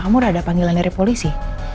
kamu sudah ada panggilan dari polisi